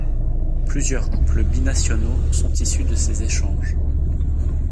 Plusieurs couples bi-nationaux sont issus de ces échanges.